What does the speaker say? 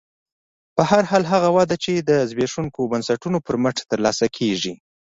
په هر حال هغه وده چې د زبېښونکو بنسټونو پر مټ ترلاسه کېږي